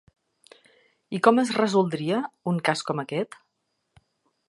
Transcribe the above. I com es resoldria un cas com aquest?